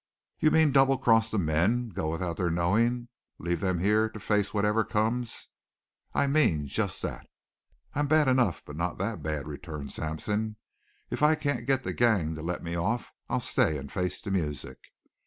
"You mean double cross the men? Go without their knowing? Leave them here to face whatever comes?" "I mean just that." "I'm bad enough, but not that bad," returned Sampson. "If I can't get the gang to let me off I'll stay and face the music.